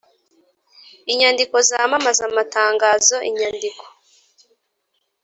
Inyandiko zamamaza amatangazo inyandiko